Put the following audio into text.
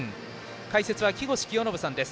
解説は木越清信さんです。